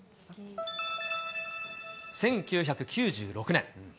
１９９６年。